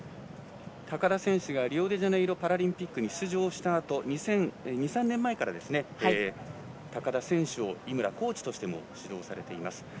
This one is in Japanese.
高田選手はリオデジャネイロパラリンピックに出場したあと２３年前から、高田選手を井村コーチとしても指導されています。